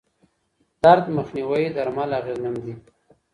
درد مخنیوي درمل اغېزمن دي.